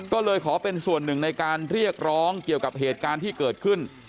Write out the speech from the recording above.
ก็เลยขอเป็นส่วนหนึ่งในการเรียกร้องเกี่ยวกับเหตุการณ์ที่เกิดขึ้น